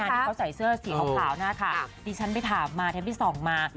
ถ้าใส่เสื้อสีเปล่าหน้าที่ฉันไปถามเทปที่๒มา